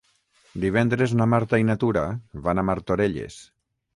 Divendres na Marta i na Tura van a Martorelles.